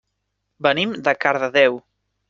Venim de Cardedeu.